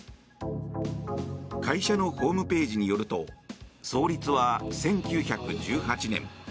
会社のホームページによると創立は１９１８年。